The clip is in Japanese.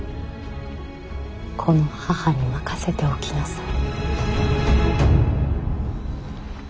この母に任せておきなさい。